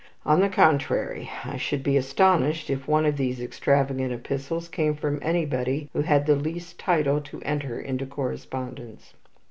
On the contrary, I should be astonished if one of these extravagant epistles came from anybody who had the least title to enter into correspondence."